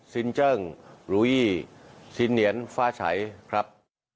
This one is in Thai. ซินเจิ้งลูอีซินเหนียนฟ้าฉัยครับ